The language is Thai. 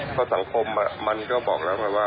เพราะสังขมมันก็บอกแล้ว